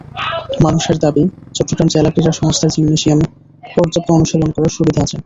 মানসের দাবি, চট্টগ্রাম জেলা ক্রীড়া সংস্থার জিমনেসিয়ামে পর্যাপ্ত অনুশীলন করার সুবিধা আছে।